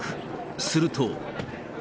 すると。